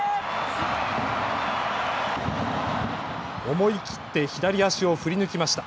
思い切って左足を振り抜きました。